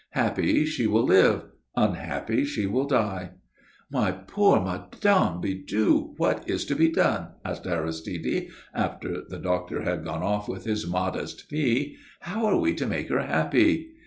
Happy, she will live; unhappy, she will die." "My poor Mme. Bidoux, what is to be done?" asked Aristide, after the doctor had gone off with his modest fee. "How are we to make her happy?"